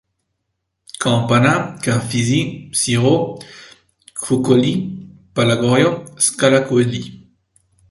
Campana, Carfizzi, Cirò, Crucoli, Pallagorio, Scala Coeli.